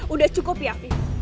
udah cukup ya afif